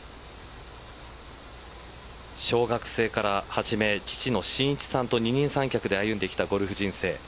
小学生から始め父のシンイチさんと二人三脚で歩んできたゴルフ人生。